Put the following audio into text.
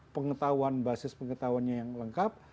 pengetahuan basis pengetahuannya yang lengkap